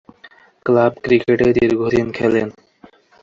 Club ক্রিকেটে দীর্ঘদিন খেলেন।